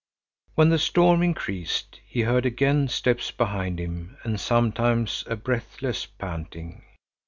When the storm increased, he heard again steps behind him and sometimes a breathless panting.